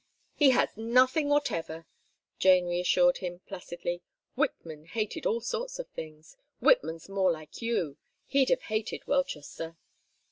"He has nothing whatever," Jane reassured him, placidly. "Whitman hated all sorts of things. Whitman's more like you; he'd have hated Welchester."